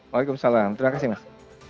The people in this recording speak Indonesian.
waalaikumsalam terima kasih mas